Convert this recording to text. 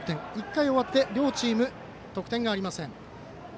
１回終わって両チーム得点がありません。